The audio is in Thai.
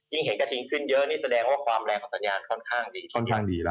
ยิ่งเห็นกระทิงขึ้นเยอะนี่แสดงว่าความแรงของสัญญาณค่อนข้างดี